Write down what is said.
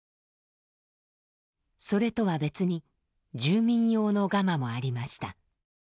それとは別に住民用のガマもありました。